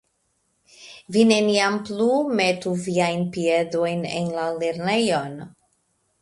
Vi neniam plu metu viajn piedojn en la lernejon!